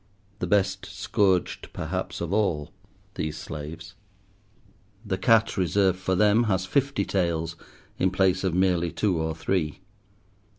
The best scourged, perhaps, of all, these slaves. The cat reserved for them has fifty tails in place of merely two or three.